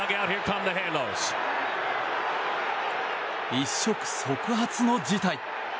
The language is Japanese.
一触即発の事態。